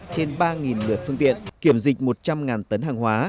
trên ba lượt phương tiện kiểm dịch một trăm linh tấn hàng hóa